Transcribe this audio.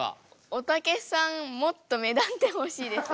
おたけさんもっと目立ってほしいです。